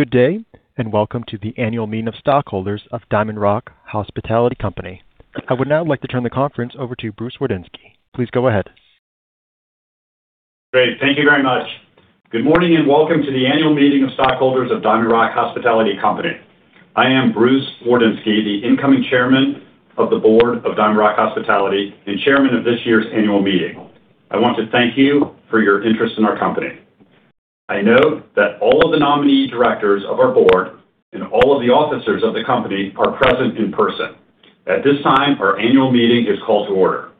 Good day, and welcome to the annual meeting of stockholders of DiamondRock Hospitality Company. I would now like to turn the conference over to Bruce D. Wardinski. Please go ahead. Great. Thank you very much. Good morning, and welcome to the annual meeting of stockholders of DiamondRock Hospitality Company. I am Bruce D. Wardinski, the incoming Chairman of the Board of DiamondRock Hospitality and Chairman of this year's annual meeting. I want to thank you for your interest in our company. I know that all of the nominee directors of our board and all of the officers of the company are present in person. At this time, our annual meeting is called to order.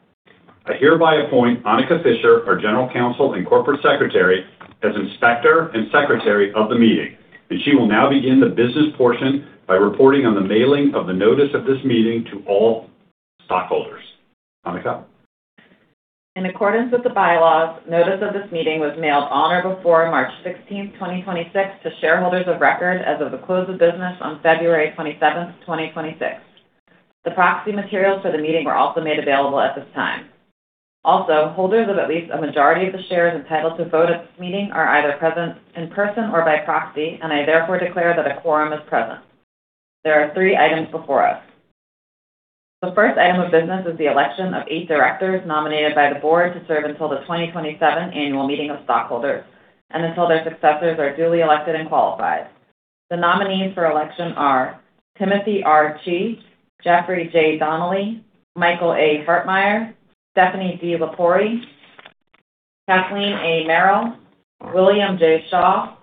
I hereby appoint Anika C. Fischer, our General Counsel and Corporate Secretary, as Inspector and Secretary of the meeting, and she will now begin the business portion by reporting on the mailing of the notice of this meeting to all stockholders. Anika? In accordance with the bylaws, notice of this meeting was mailed on or before March 16th, 2026 to shareholders of record as of the close of business on 27th February, 2026. The proxy materials for the meeting were also made available at this time. Holders of at least a majority of the shares entitled to vote at this meeting are either present in person or by proxy, and I therefore declare that a quorum is present. There are three items before us. The first item of business is the election of eight directors nominated by the board to serve until the 2027 annual meeting of stockholders and until their successors are duly elected and qualified. The nominees for election are Timothy R. Chi, Jeffrey J. Donnelly, Michael A. Hartmeier, Stephanie D. Lepori, Kathleen A. Merrill, William J. Shaw,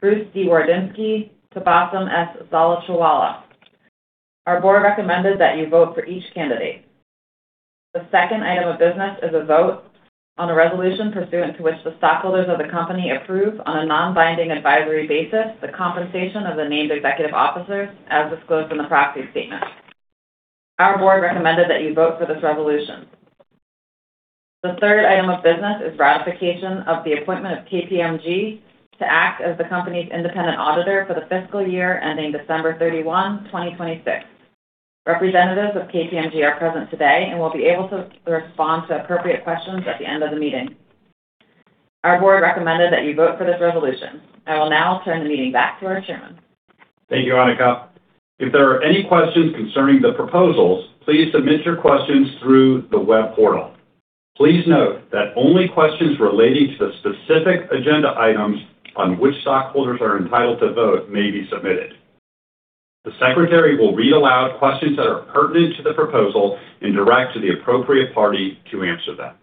Bruce D. Wardinski, Tabassum S. Zalotrawala. Our board recommended that you vote for each candidate. The second item of business is a vote on a resolution pursuant to which the stockholders of the company approve on a non-binding advisory basis the compensation of the named executive officers as disclosed in the proxy statement. Our board recommended that you vote for this resolution. The third item of business is ratification of the appointment of KPMG to act as the company's independent auditor for the fiscal year ending 31 December, 2026. Representatives of KPMG are present today and will be able to respond to appropriate questions at the end of the meeting. Our board recommended that you vote for this resolution. I will now turn the meeting back to our chairman. Thank you, Anika. If there are any questions concerning the proposals, please submit your questions through the web portal. Please note that only questions relating to the specific agenda items on which stockholders are entitled to vote may be submitted. The secretary will read aloud questions that are pertinent to the proposal and direct to the appropriate party to answer them.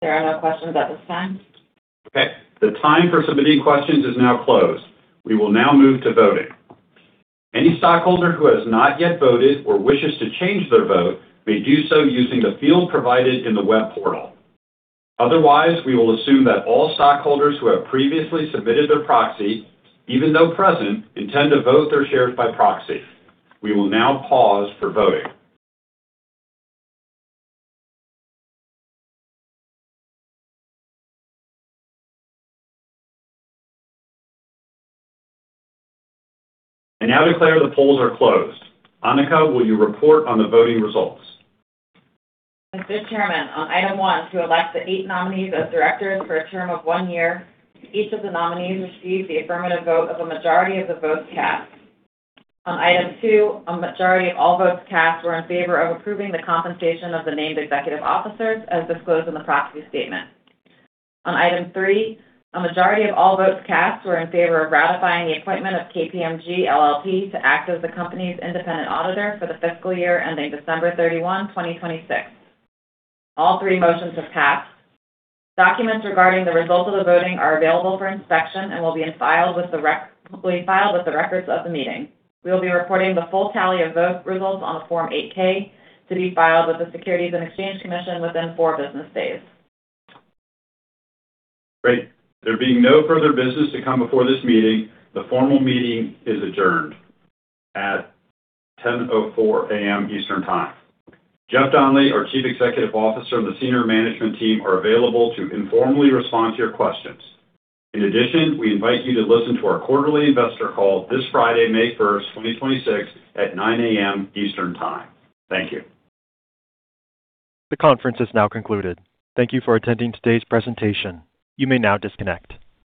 There are no questions at this time. Okay. The time for submitting questions is now closed. We will now move to voting. Any stockholder who has not yet voted or wishes to change their vote may do so using the field provided in the web portal. Otherwise, we will assume that all stockholders who have previously submitted their proxy, even though present, intend to vote their shares by proxy. We will now pause for voting. I now declare the polls are closed. Anika, will you report on the voting results? Yes, Chairman. On item one, to elect the eight nominees as directors for a term of one year, each of the nominees received the affirmative vote of a majority of the votes cast. On item two, a majority of all votes cast were in favor of approving the compensation of the named executive officers as disclosed in the proxy statement. On item three, a majority of all votes cast were in favor of ratifying the appointment of KPMG LLP to act as the company's independent auditor for the fiscal year ending 31 December, 2026. All three motions have passed. Documents regarding the results of the voting are available for inspection and will be filed with the records of the meeting. We will be reporting the full tally of vote results on a Form 8-K to be filed with the Securities and Exchange Commission within four business days. Great. There being no further business to come before this meeting, the formal meeting is adjourned at 10:04 A.M. Eastern Time. Jeff Donnelly, our Chief Executive Officer, and the senior management team are available to informally respond to your questions. In addition, we invite you to listen to our quarterly investor call this Friday, 1st May, 2026 at 9:00 A.M. Eastern Time. Thank you. The conference is now concluded. Thank you for attending today's presentation. You may now disconnect.